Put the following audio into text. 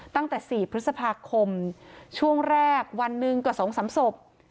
ตั้งแต่๔พฤษภาคมช่วงแรกวันหนึ่งกว่า๒๓ศพ